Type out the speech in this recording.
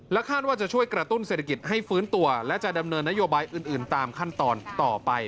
คาดว่าจะช่วยกระตุ้นเศรษฐกิจให้ฟื้นตัวและจะดำเนินนโยบายอื่นตามขั้นตอนต่อไป